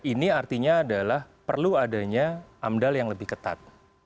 ini artinya adalah perlu adanya amdal yang lebih ketat